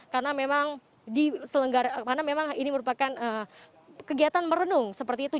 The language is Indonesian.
karena memang ini merupakan kegiatan merenung seperti itu